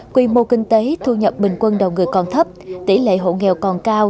quy mô kinh tế thu nhập bình quân đầu người còn thấp tỷ lệ hộ nghèo còn cao